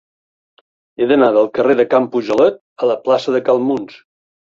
He d'anar del carrer de Can Pujolet a la plaça de Cal Muns.